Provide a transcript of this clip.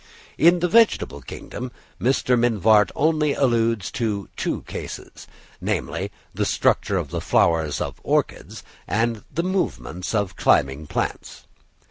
In the vegetable kingdom Mr. Mivart only alludes to two cases, namely the structure of the flowers of orchids, and the movements of climbing plants.